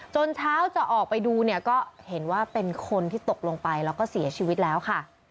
เช้าจะออกไปดูเนี่ยก็เห็นว่าเป็นคนที่ตกลงไปแล้วก็เสียชีวิตแล้วค่ะ